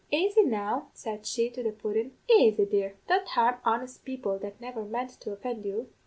Aisy now,' said she to the pudden, 'aisy, dear; don't harm honest people that never meant to offend you.